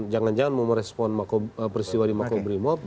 jangan jangan mau merespon persiwari makobrimob